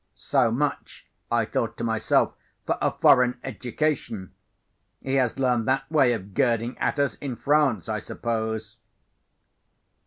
"So much," I thought to myself, "for a foreign education! He has learned that way of girding at us in France, I suppose."